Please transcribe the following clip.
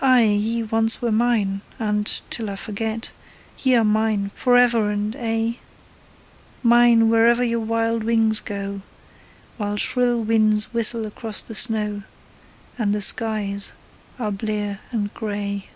Ay, ye once were mine, and, till I forget, Ye are mine forever and aye, Mine, wherever your wild wings go, While shrill winds whistle across the snow And the skies are blear and grey.